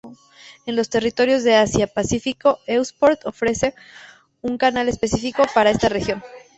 En los territorios de Asia-Pacífico, Eurosport ofrece un canal específico para esta región.